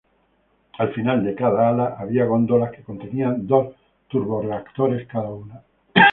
Al final de cada ala había góndolas que contenían dos turborreactores cada una.